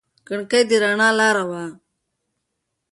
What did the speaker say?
کړکۍ د رڼا لاره وه.